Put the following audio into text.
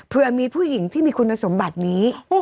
เพื่อมีผู้หญิงที่มีคุณสมบัตินี้